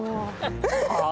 はあ？